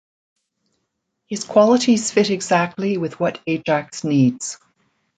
His qualities fit exactly with what Ajax needs.